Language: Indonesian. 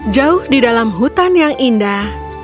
jauh di dalam hutan yang indah